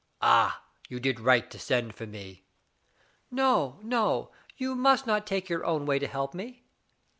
Ah ! you did right to send for me." "No, no, you must not take your own way to help me.